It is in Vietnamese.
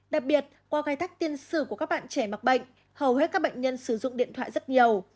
đặc biệt qua gai thách tiên sử của các bạn trẻ mặc bệnh hầu hết các bệnh nhân sử dụng điện thoại rất nhiều